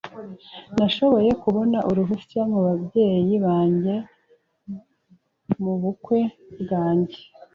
Nashoboye kubona uruhushya kubabyeyi banjye mubukwe bwanjye.